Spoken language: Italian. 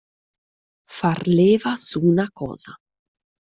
Far leva su una cosa.